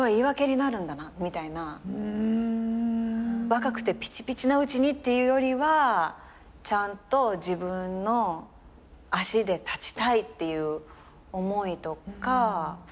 若くてピチピチなうちにっていうよりはちゃんと自分の足で立ちたいっていう思いとか